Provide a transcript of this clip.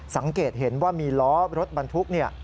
สังเกตเห็นว่ามีล้อรถบรรทุกเนี่ย